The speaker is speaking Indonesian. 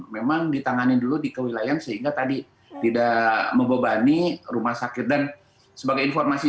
memang ditangani dulu di kewilayan sehingga tadi tidak membebani rumah sakit dan sebagai informasi